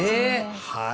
はい。